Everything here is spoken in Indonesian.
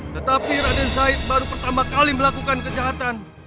tetapi raden zaid baru pertama kali melakukan kejahatan